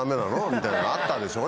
みたいなのあったでしょうね